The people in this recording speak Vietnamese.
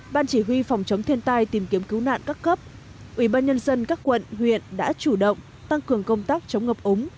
ban chỉ huy phòng chống thiên tai tìm kiếm cứu nạn các cấp ủy ban nhân dân các quận huyện đã chủ động tăng cường công tác chống ngập ống